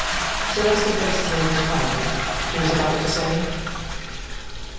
Sir Leicester begs his Lady's pardon. She was about to say?